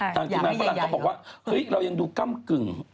ร้านจึงเรียกว่าเรายังดูกล้ามกึ่ง